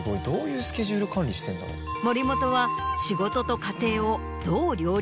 森本は。